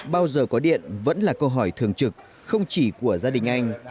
bao giờ có điện vẫn là câu hỏi thường trực không chỉ của gia đình anh